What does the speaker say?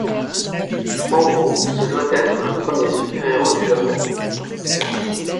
En gros, ce doit être le premier super-héros du Japon.